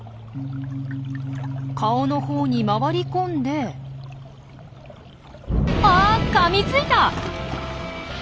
顔のほうに回り込んであっかみついた！